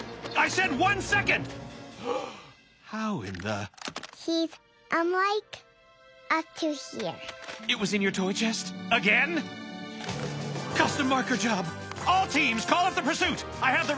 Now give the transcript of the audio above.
そうありがとう。